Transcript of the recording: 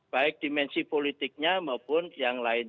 baik dimensi politiknya maupun yang lain